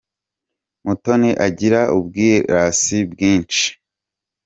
Mutoni agira ubwirasi bwinshi.